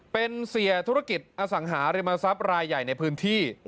เป็นเสียธุรกิจอสังหาริมทรัพย์รายใหญ่ในพื้นที่